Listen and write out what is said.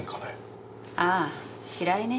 ああ白井ね。